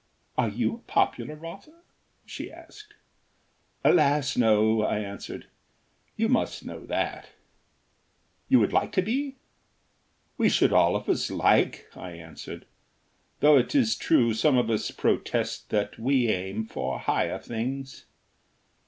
"Are you a popular author?" she asked. "Alas, no!" I answered. "You must know that." "You would like to be?" "We should all of us like," I answered; "though it is true some of us protest that we aim for higher things."